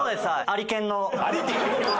『アリケン』。